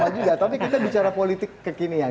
tidak tapi kita bicara politik kekinian